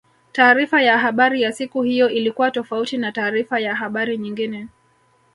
taarifa ya habari ya siku hiyo ilikuwa tofauti na taarifa za habari nyingine